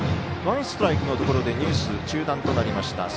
ワンストライクのところでニュース、中断となりました。